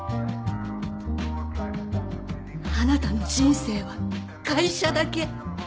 あなたの人生は会社だけ